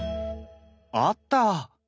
あった！